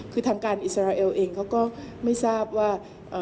คือทางการอิสราเอลเองเขาก็ไม่ทราบว่า